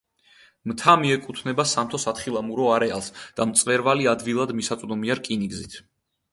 მთა მიეკუთვნება სამთო–სათხილამურო არეალს და მწვერვალი ადვილად მისაწვდომია რკინიგზით.